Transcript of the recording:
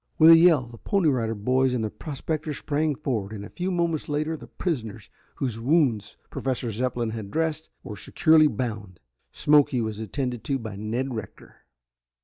With a yell the Pony Rider Boys and the prospectors sprang forward and a few moments later the prisoners, whose wounds Professor Zepplin had dressed, were securely bound. Smoky was attended to by Ned Rector.